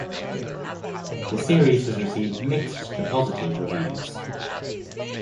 The series has received mixed to positive reviews.